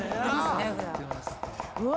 うわ！